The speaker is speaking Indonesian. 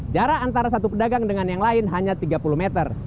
jarak antara satu pedagang dengan yang lain hanya tiga puluh meter